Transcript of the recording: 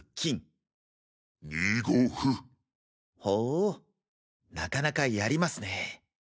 ほうなかなかやりますね。